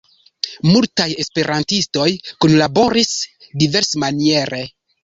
Multaj esperantistoj kunlaboris diversmaniere.